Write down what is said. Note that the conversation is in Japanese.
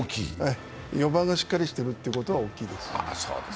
４番がしっかりしてるってことは大きいです。